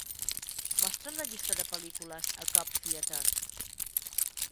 Mostra'm la llista de pel·lícules a Cobb Theatres